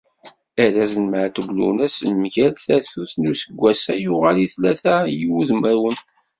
Arraz n Maɛtub Lwennas mgal tatut n useggas-a yuɣal i tlata n yiwudam.